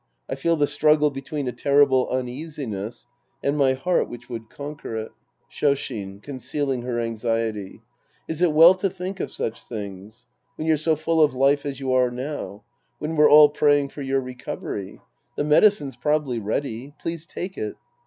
I feel the struggle between a terrible uneasiness and my heart which would conquer it. Shoshin {concealing her anxiety). Is it well to think of such things ? When you're so full of life as you are now ? When we're all praying for your recovery ? The medicine's probably ready. Please take it.